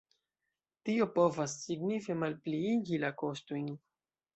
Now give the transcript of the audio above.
Tio povas signife malpliigi la kostojn.